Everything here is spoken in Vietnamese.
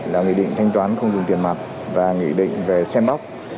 là nghị định thanh toán không dùng tiền mặt và nghị định về xem bóc